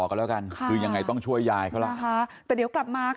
จากคืนนี้ฉันก็ไม่มีแล้วมุมตูนแล้ว